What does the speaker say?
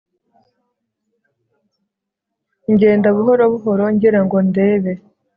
ngenda buhoro buhoro ngirango ndebe